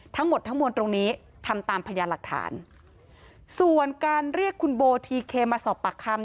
ทำตามพยานหลักฐานส่วนการเรียกคุณโบทีเคมาสอบปากคำ